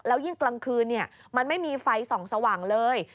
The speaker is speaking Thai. แล้วยิ่งกลางคืนเนี่ยมันไม่มีไฟส่องสว่างเลย